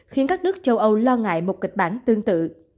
khiến các nước châu âu lo ngại một kịch bản tương tự